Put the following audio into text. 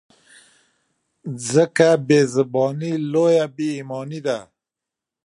ځکه بې زباني لویه بې ایماني ده.